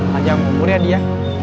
pajam umurnya dia